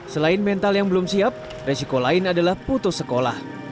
selain mental yang belum siap resiko lain adalah putus sekolah